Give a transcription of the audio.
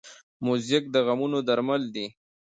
موزیک د غمونو درمل دی.